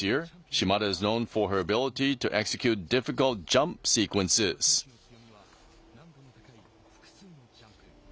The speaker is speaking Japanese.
島田選手の強みは難度の高い複数のジャンプ。